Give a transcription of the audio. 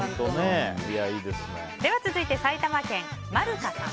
続いて、埼玉県の方。